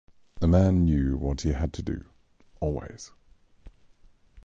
A man knew what he had to do, always.